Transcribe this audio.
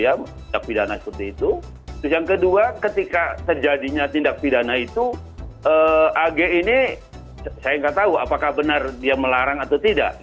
yang kedua ketika terjadinya tindak pidana itu ag ini saya nggak tahu apakah benar dia melarang atau tidak